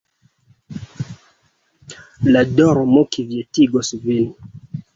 La dormo kvietigos vin.